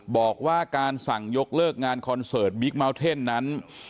บอกว่าการสั่งยกเลิกงานคอนเสิร์ตบิ๊กเมาเท่นนั้น